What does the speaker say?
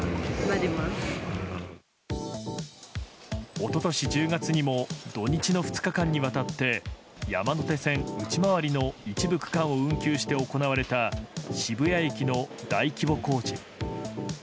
一昨年１０月にも土日の２日間にわたって山手線内回りの一部区間を運休して行われた渋谷駅の大規模工事。